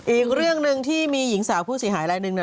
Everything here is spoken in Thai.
อีกเรื่องนึงที่มีหญิงสาวผู้เสียหายอะไรนึงนะ